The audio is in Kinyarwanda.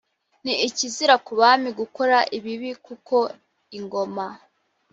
ni ikizira ku bami gukora ibibi kuko ingoma